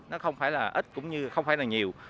nó không phải là ít cũng như không phải là nhiều